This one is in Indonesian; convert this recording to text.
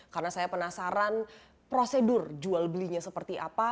karena saya penasaran prosedur jual belinya seperti apa